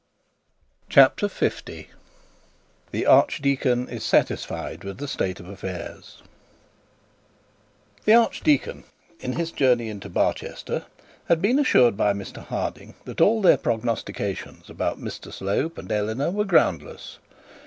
CHAPTER L THE ARCHDEACON IS SATISFIED WITH THE STATE OF AFFAIRS The archdeacon, in his journey into Barchester, had been assured by Mr Harding that all their prognostications about Mr Slope and Eleanor were groundless.